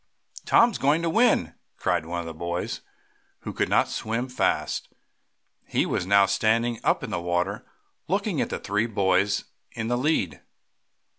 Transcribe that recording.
"Tom's going to win!" cried one of the boys who could not swim fast. He was now standing up in the water, looking at the three boys in the lead.